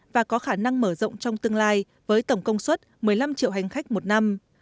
và có khả năng mở rộng trong tương lai với tổng công suất một mươi năm triệu hành khách một năm